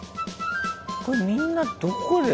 これみんなどこで。